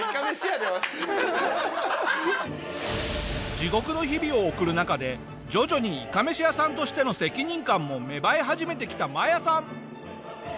地獄の日々を送る中で徐々にいかめし屋さんとしての責任感も芽生え始めてきたマヤさん。